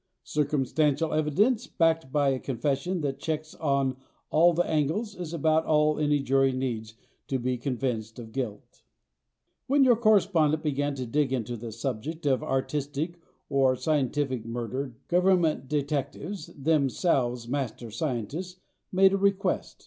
Circumstantial evidence backed by a confession that checks on all angles is about all any jury needs to be convinced of guilt. When your correspondent began to dig into this subject of artistic or scientific murder Government detectives themselves master scientists made a request.